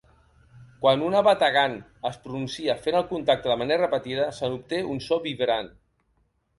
Quan una bategant es pronuncia fent el contacte de manera repetida s'obté un so vibrant.